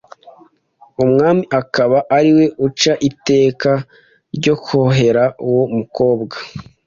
umwami akaba ariwe uca iteka ryo kohera uwo mukobwa